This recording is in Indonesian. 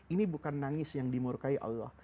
ini bukan nangis yang dimurkai allah